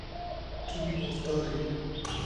Tu mafdar î.